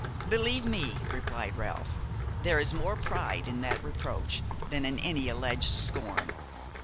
"Believe me," replied Ralph, "there is more pride in that reproach than in any alleged scorn.